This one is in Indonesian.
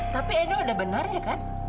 tapi edo udah benar ya kan